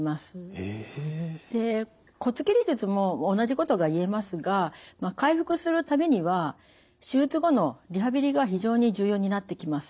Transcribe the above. へえ！で骨切り術も同じことが言えますが回復するためには手術後のリハビリが非常に重要になってきます。